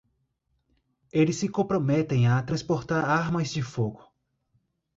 Eles se comprometem a transportar armas de fogo.